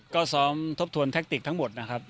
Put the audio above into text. ก็ซ้อมทบทวนแทคติกทั้งหมดนะครับ